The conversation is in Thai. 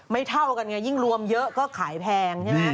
เท่ากันไงยิ่งรวมเยอะก็ขายแพงใช่ไหม